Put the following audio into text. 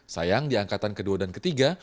sayang di angkatan kedua dan ketiga